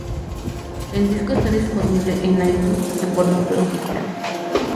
El disco está disponible en iTunes en formato digital.